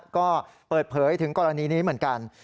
ก็เปิดเผยถึงกรณีนี้เหมือนกัน